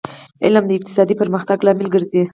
علم د اقتصادي پرمختګ لامل ګرځي